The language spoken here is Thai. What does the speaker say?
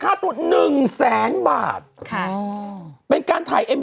ตั้งแต่ทุ่มนึงตั้งแต่บ่ายโมงมาถึงทุ่มนึง